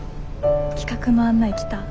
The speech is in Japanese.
企画の案内来た？